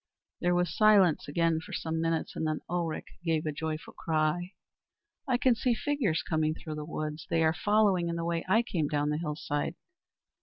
There was silence again for some minutes, and then Ulrich gave a joyful cry. "I can see figures coming through the wood. They are following in the way I came down the hillside."